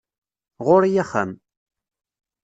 Ɣur-i axxam